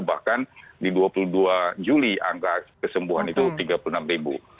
bahkan di dua puluh dua juli angka kesembuhan itu tiga puluh enam ribu